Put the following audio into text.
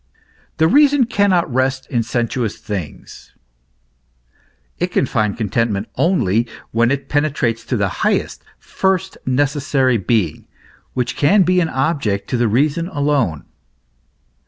" The reason cannot rest in sensuous things ;" it can find contentment only when it penetrates to the highest, first, necessary being, which can be an object to the reason alone.